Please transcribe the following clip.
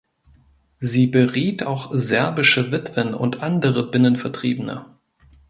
Sie beriet auch serbische Witwen und andere Binnenvertriebene.